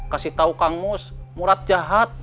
kasih tau kang mus murad jahat